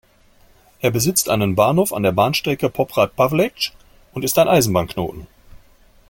Er besitzt einen Bahnhof an der Bahnstrecke Poprad–Plaveč und ist ein Eisenbahnknoten.